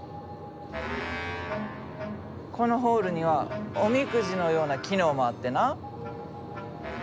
このホールにはおみくじのような機能もあってな。